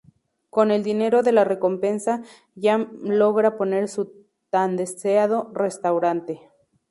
Con el dinero de la recompensa Jam logra poner su tan deseado restaurante.